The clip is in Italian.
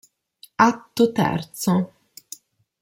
Atto terzo.